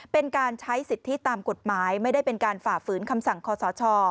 เป็นการใช้สิทธิตามกฎหมายไม่ได้เป็นการฝ่าฝืนคำสั่งคอสช